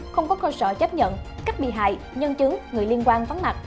không có khâu sở chấp nhận các bị hại nhân chứng người liên quan phán mặt